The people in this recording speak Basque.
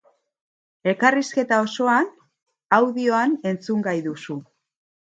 Elkarrizketa osoan audioan entzungai duzu.